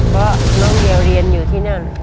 เพราะน้องเดียวเรียนอยู่ที่นั่น